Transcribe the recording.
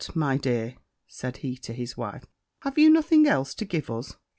my dear,' said he to his wife, 'have you nothing else to give us?'